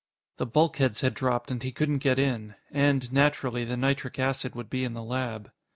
The bulkheads had dropped, and he couldn't get in. And, naturally, the nitric acid would be in the lab.